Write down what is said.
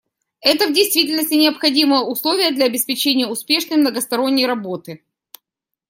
Это, в действительности, — необходимое условие для обеспечения успешной многосторонней работы.